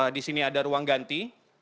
di sini ada ruang ganti